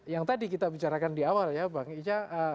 yang tadi kita bicarakan di awal ya bang ica